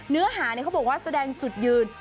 เนื้อหาเขาบอกว่าแสดงจุดยืน